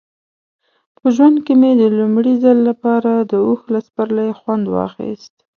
په ژوند کې مې د لومړي ځل لپاره د اوښ له سپرلۍ خوند واخیست.